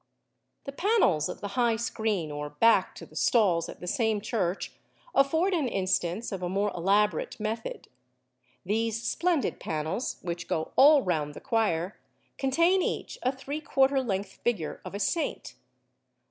The panels of the high screen or back to the stalls at the same church afford an instance of a more elaborate method. These splendid panels, which go all round the choir, contain each a three quarter length figure of a saint.